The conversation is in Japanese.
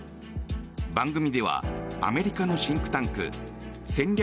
番組ではアメリカのシンクタンク戦略